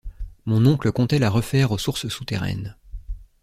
Mon oncle comptait la refaire aux sources souterraines